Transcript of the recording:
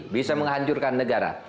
bisa menghancurkan negara